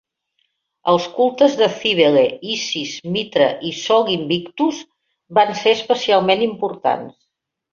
Els cultes de Cíbele, Isis, Mitra i Sol Invictus van ser especialment importants.